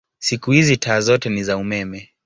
Siku hizi taa zote ni za umeme.